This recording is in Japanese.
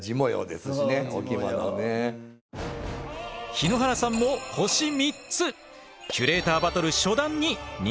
日野原さんも星３つ！